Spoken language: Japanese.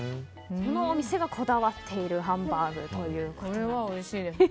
そのお店がこだわっているハンバーグということで。